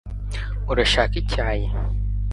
urashaka icyayi